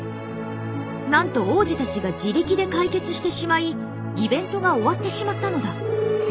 なんと皇子たちが自力で解決してしまいイベントが終わってしまったのだ。